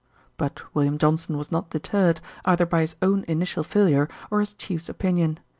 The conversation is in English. But William Johnson was not deterred, either by his own initial failure or his chief's opinion.